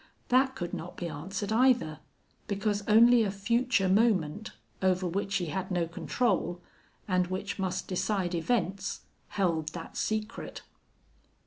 That could not be answered, either, because only a future moment, over which he had no control, and which must decide events, held that secret.